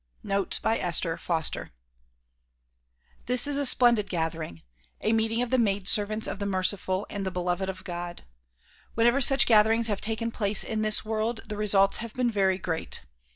Notes by Esther Foster THIS is a splendid gathering; a meeting of the maid servants of the merciful and the beloved of God. AVhenever such gath erings have taken place in this world the results have been very great.